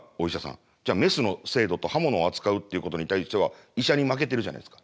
じゃあメスの精度と刃物を扱うっていうことに対しては医者に負けてるじゃないですか。